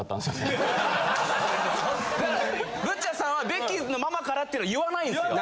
ぶっちゃあさんはベッキーのママからってのは言わないんですよ。